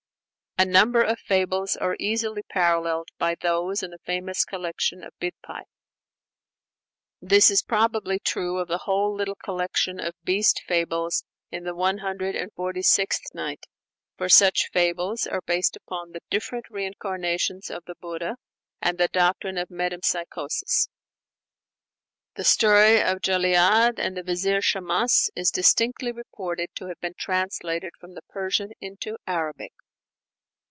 A number of fables are easily paralleled by those in the famous collection of Bidpai (see the list in Jacobs's 'The Fables of Bidpai,' London, 1888, lxviii.). This is probably true of the whole little collection of beast fables in the One Hundred and Forty sixth Night; for such fables are based upon the different reincarnations of the Buddha and the doctrine of metempsychosis. The story of Jali'ad and the Vizier Shammas is distinctly reported to have been translated from the Persian into Arabic.